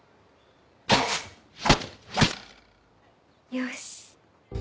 よし。